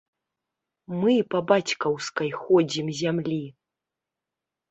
Мы па бацькаўскай ходзім зямлі!